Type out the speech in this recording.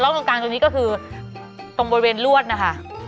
ตรงกลางตรงนี้ก็คือตรงบริเวณลวดนะคะ